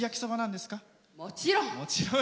もちろん！